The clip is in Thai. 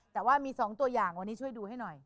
แต่ว่ามี๒ตัวอย่างวันนี้ช่วยดูให้หน่อย